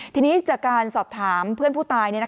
ทีนี้จากการสอบถามเพื่อนผู้ตาย